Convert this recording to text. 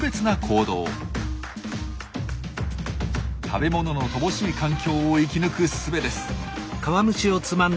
食べ物の乏しい環境を生き抜くすべです。